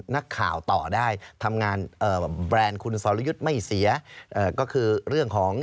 นักข่าวต่อได้ทำงานแบรนด์คุณสรยุทธ์ไม่เสียก็คือเรื่องของ